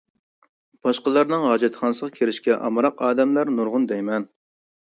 باشقىلارنىڭ ھاجەتخانىسىغا كىرىشكە ئامراق ئادەملەر نۇرغۇن دەيمەن.